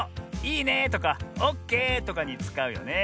「いいね」とか「オッケー」とかにつかうよね。